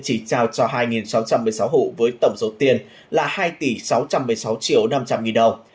chỉ trao cho hai sáu trăm một mươi sáu hộ với tổng số tiền là hai tỷ sáu trăm một mươi sáu triệu năm trăm linh nghìn đồng